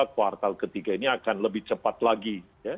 kuartal ke tiga ini akan lebih cepat lagi